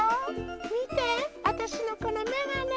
みてあたしのこのめがね。